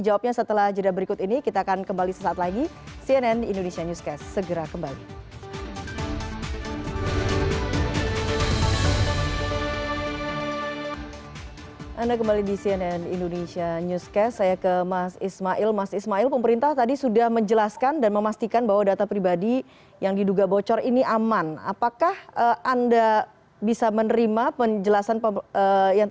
warung undang kami adalah menyelesaikan undang undang